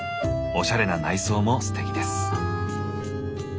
おしゃれな内装もステキです。